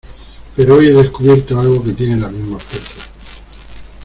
pero hoy he descubierto algo que tiene la misma fuerza.